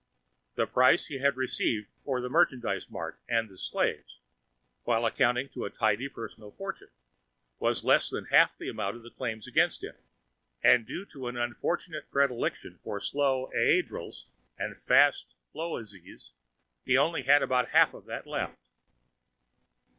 The price he had received for the Merchandise Mart and the "slaves," while amounting to a tidy personal fortune, was less than half the amount of the claims against him, and due to an unfortunate predilection for slow Aedrils and fast Flowezies, he only had about half of that left.